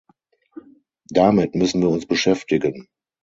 Damit müssen wir uns beschäftigen.